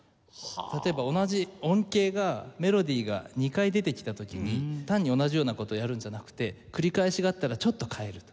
例えば同じ音型がメロディーが２回出てきた時に単に同じような事をやるんじゃなくて繰り返しがあったらちょっと変えると。